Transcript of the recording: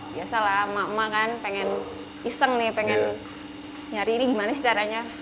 biasalah emak emak kan pengen iseng nih pengen nyari ini gimana sih caranya